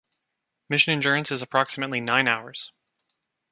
Mission endurance is approximately nine hours.